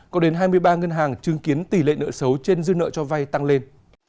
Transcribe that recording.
có đến hai mươi ba ngân hàng chứng kiến tỷ lệ nợ xấu trên dư nợ cho vay tăng lên